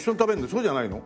そうじゃないの？